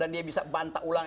dia bisa bantah ulang